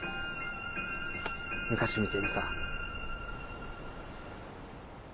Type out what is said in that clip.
昔みてえにさ。